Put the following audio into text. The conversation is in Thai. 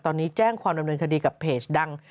ตอนนี้แจ้งความดำเนินคดีกับเพจดัง